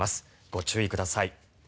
ご注意ください。